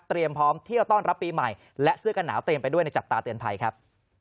พร้อมเที่ยวต้อนรับปีใหม่และเสื้อกันหนาวเตรียมไปด้วยในจับตาเตือนภัยครับ